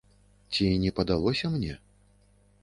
Ці не падалося мне?